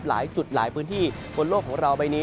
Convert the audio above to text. หลายจุดหลายพื้นที่บนโลกของเราใบนี้